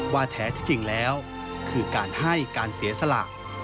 แท้ที่จริงแล้วคือการให้การเสียสละ